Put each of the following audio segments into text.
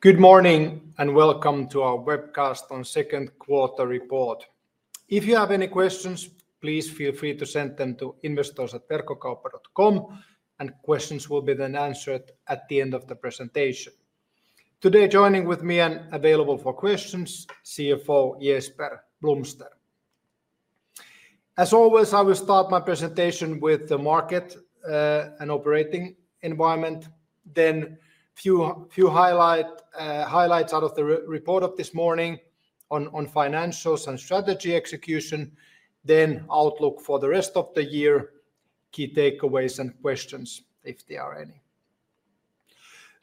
Good morning and welcome to our webcast on the second quarter report. If you have any questions, please feel free to send them to investors@verkkokauppa.com, and questions will be answered at the end of the presentation. Today, joining me and available for questions is CFO Jesper Blomster. As always, I will start my presentation with the market and operating environment, then a few highlights out of the report of this morning on financials and strategy execution, then outlook for the rest of the year, key takeaways, and questions if there are any.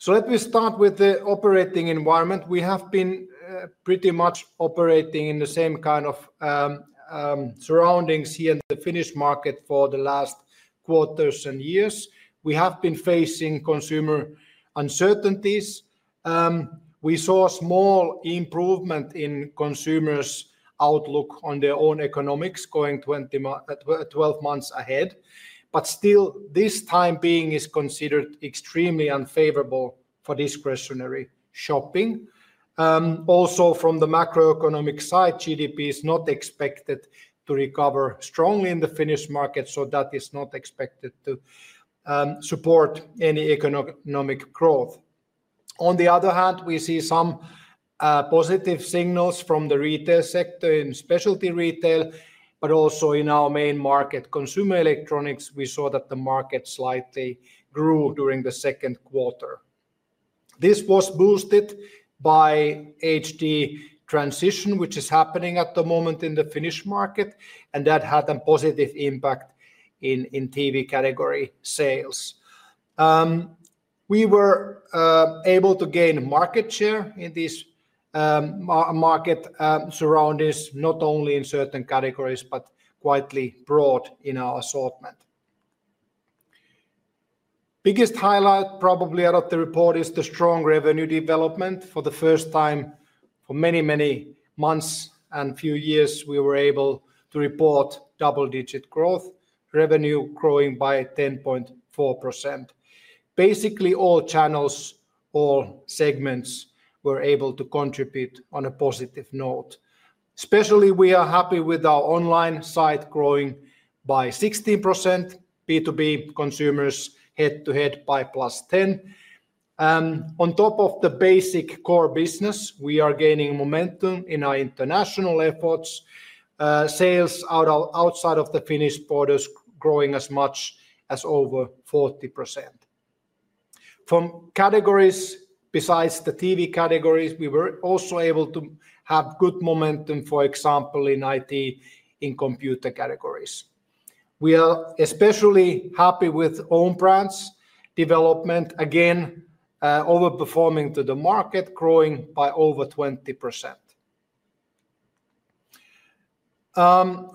Let me start with the operating environment. We have been pretty much operating in the same kind of surroundings here in the Finnish market for the last quarters and years. We have been facing consumer uncertainties. We saw a small improvement in consumers' outlook on their own economics going 12 months ahead, but still, this time being is considered extremely unfavorable for discretionary shopping. Also, from the macroeconomic side, GDP is not expected to recover strongly in the Finnish market, so that is not expected to support any economic growth. On the other hand, we see some positive signals from the retail sector in specialty retail, but also in our main market, consumer electronics. We saw that the market slightly grew during the second quarter. This was boosted by the HD transition, which is happening at the moment in the Finnish market, and that had a positive impact in the TV category sales. We were able to gain market share in these market surroundings, not only in certain categories but quite broad in our assortment. The biggest highlight probably out of the report is the strong revenue development. For the first time for many, many months and a few years, we were able to report double-digit growth, revenue growing by 10.4%. Basically, all channels, all segments were able to contribute on a positive note. Especially, we are happy with our online site growing by 16%, B2B consumers head-to-head by +10%. On top of the basic core business, we are gaining momentum in our international efforts, sales outside of the Finnish borders growing as much as over 40%. From categories, besides the TV categories, we were also able to have good momentum, for example, in IT, in computer categories. We are especially happy with the own brands' development, again overperforming to the market, growing by over 20%.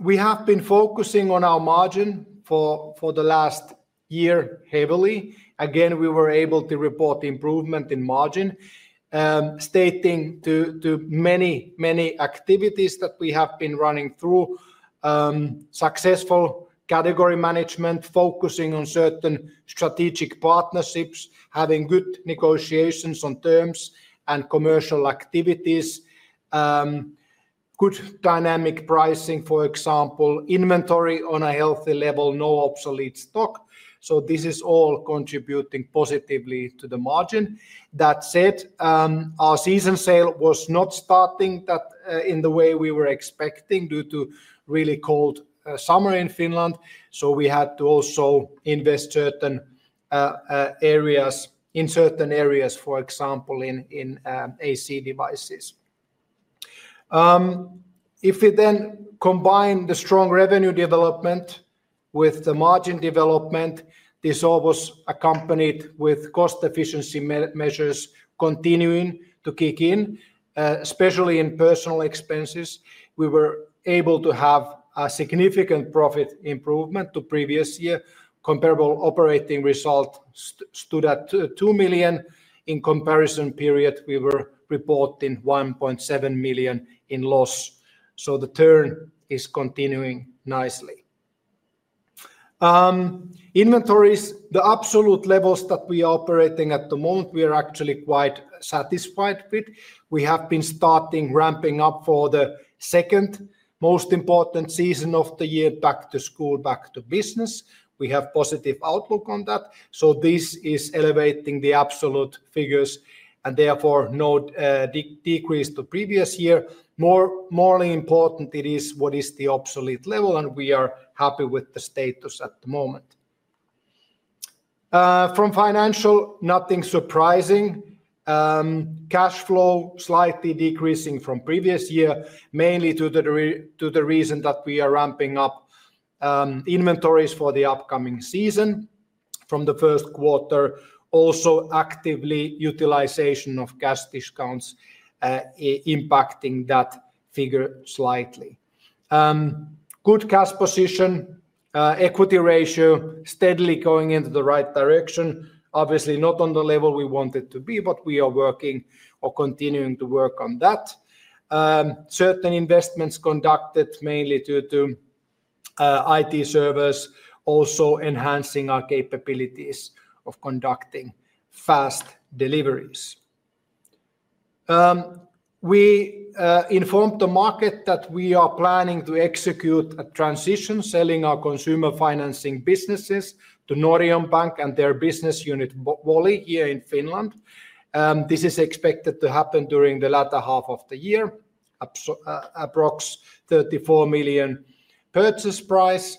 We have been focusing on our margin for the last year heavily. Again, we were able to report improvement in margin, stating to many, many activities that we have been running through: successful category management, focusing on certain strategic partnerships, having good negotiations on terms and commercial activities, good dynamic pricing, for example, inventory on a healthy level, no obsolete stock. This is all contributing positively to the margin. That said, our seasonal sales was not starting in the way we were expecting due to really cold summer in Finland, so we had to also invest in certain areas, for example, in AC devices. If you then combine the strong revenue development with the margin development, this all was accompanied with cost efficiency measures continuing to kick in, especially in personnel expenses. We were able to have a significant profit improvement to the previous year. Comparable operating result stood at 2 million. In the comparison period, we were reporting 1.7 million in loss, so the turn is continuing nicely. Inventories, the absolute levels that we are operating at the moment, we are actually quite satisfied with. We have been starting ramping up for the second most important season of the year, back to school, back to business. We have positive outlook on that, this is elevating the absolute figures and therefore no decrease to the previous year. More importantly, it is what is the obsolete level, and we are happy with the status at the moment. From financial, nothing surprising. Cash flow slightly decreasing from the previous year, mainly due to the reason that we are ramping up inventories for the upcoming season from the first quarter. Also actively utilization of cash discounts impacting that figure slightly. Good cash position, equity ratio steadily going into the right direction. Obviously, not on the level we wanted to be, but we are working or continuing to work on that. Certain investments conducted mainly due to IT servers, also enhancing our capabilities of conducting fast deliveries. We informed the market that we are planning to execute a transition, selling our consumer financing businesses to Norion Bank and their business unit Walley here in Finland. This is expected to happen during the latter half of the year, approximately 34 million purchase price.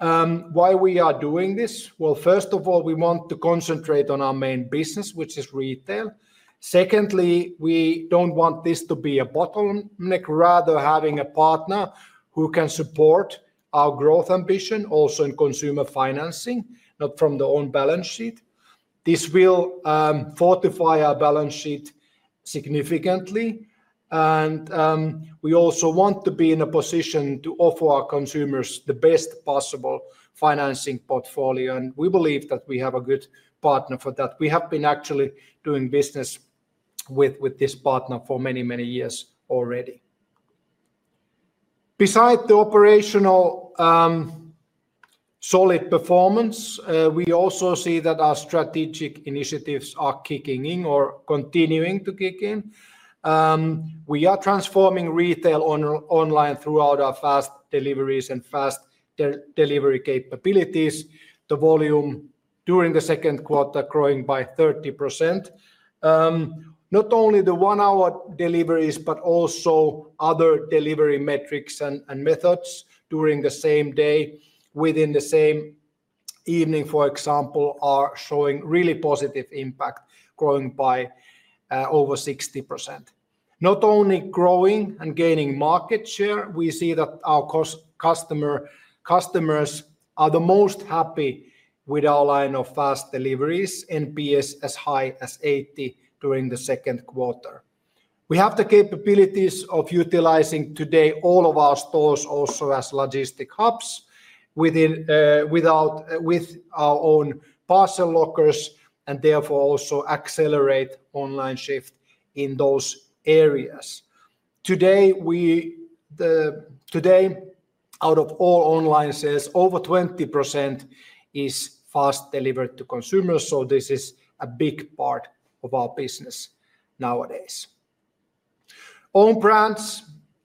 We are doing this because, first of all, we want to concentrate on our main business, which is retail. Secondly, we don't want this to be a bottleneck, rather having a partner who can support our growth ambition, also in consumer financing, not from the own balance sheet. This will fortify our balance sheet significantly, and we also want to be in a position to offer our consumers the best possible financing portfolio, and we believe that we have a good partner for that. We have been actually doing business with this partner for many, many years already. Besides the operational solid performance, we also see that our strategic initiatives are kicking in or continuing to kick in. We are transforming retail online throughout our fast deliveries and fast delivery capabilities, the volume during the second quarter growing by 30%. Not only the one-hour deliveries, but also other delivery metrics and methods during the same day, within the same evening, for example, are showing really positive impact, growing by over 60%. Not only growing and gaining market share, we see that our customers are the most happy with our line of fast deliveries, NPS as high as 80 during the second quarter. We have the capabilities of utilizing today all of our stores also as logistic hubs without our own parcel lockers and therefore also accelerate online shift in those areas. Today, out of all online sales, over 20% is fast delivered to consumers, so this is a big part of our business nowadays. Own brands,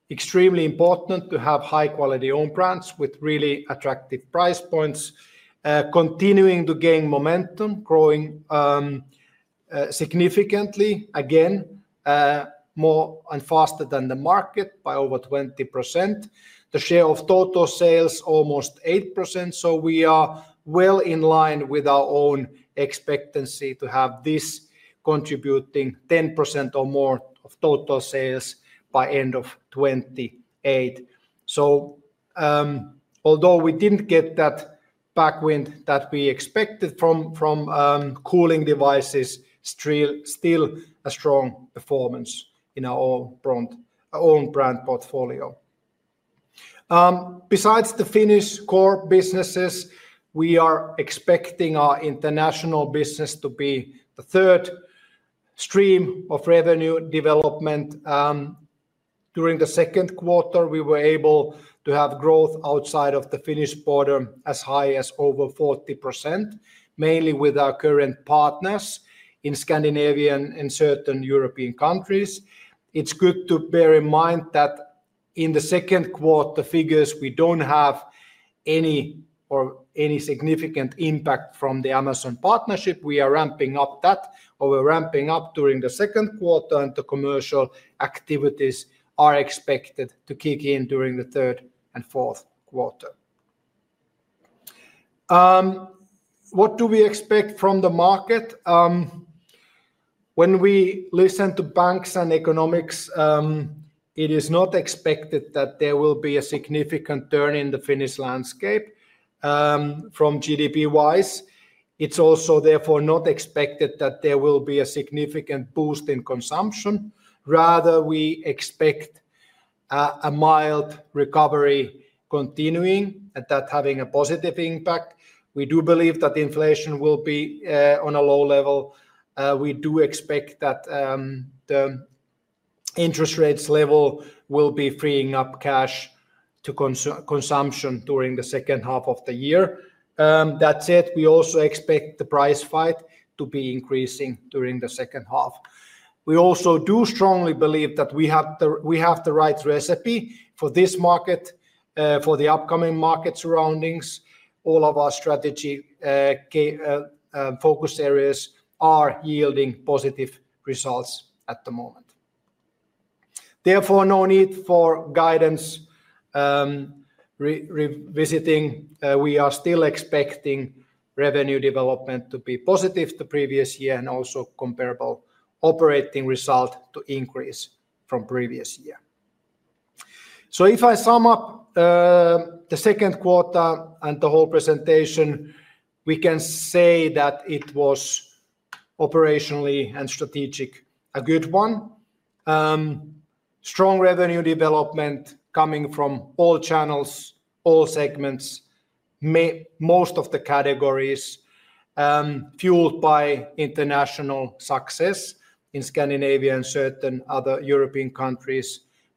extremely important to have high-quality own brands with really attractive price points, continuing to gain momentum, growing significantly, again more and faster than the market by over 20%. The share of total sales is almost 8%, so we are well in line with our own expectancy to have this contributing 10% or more of total sales by the end of 2028. Although we didn't get that backwind that we expected from cooling devices, still a strong performance in our own brand portfolio. Besides the Finnish core businesses, we are expecting our international business to be the third stream of revenue development. During the second quarter, we were able to have growth outside of the Finnish border as high as over 40%, mainly with our current partners in Scandinavia and certain European countries. It's good to bear in mind that in the second quarter figures, we don't have any significant impact from the Amazon partnership. We are ramping up that, or we're ramping up during the second quarter, and the commercial activities are expected to kick in during the third and fourth quarter. What do we expect from the market? When we listen to banks and economics, it is not expected that there will be a significant turn in the Finnish landscape from GDP-wise. It's also therefore not expected that there will be a significant boost in consumption. Rather, we expect a mild recovery continuing and that having a positive impact. We do believe that inflation will be on a low level. We do expect that the interest rates level will be freeing up cash to consumption during the second half of the year. That said, we also expect the price fight to be increasing during the second half. We also do strongly believe that we have the right recipe for this market, for the upcoming market surroundings. All of our strategy focus areas are yielding positive results at the moment. Therefore, no need for guidance revisiting. We are still expecting revenue development to be positive to the previous year and also comparable operating result to increase from the previous year. If I sum up the second quarter and the whole presentation, we can say that it was operationally and strategically a good one. Strong revenue development coming from all channels, all segments, most of the categories, fueled by international success in Scandinavia and certain other European countries.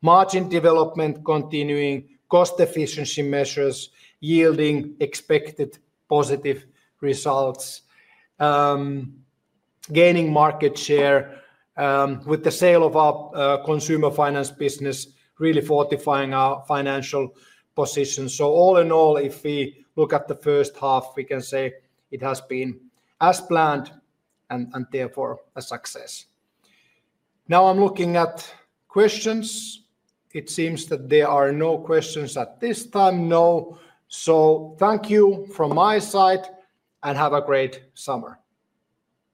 Margin development continuing, cost efficiency measures yielding expected positive results, gaining market share with the sale of our consumer financing business, really fortifying our financial position. All in all, if we look at the first half, we can say it has been as planned and therefore a success. Now I'm looking at questions. It seems that there are no questions at this time. No. Thank you from my side, and have a great summer.